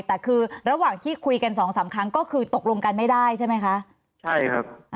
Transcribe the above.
แต่คือระหว่างที่คุยกันสองสามครั้งก็คือตกลงกันไม่ได้ใช่ไหมคะใช่ครับ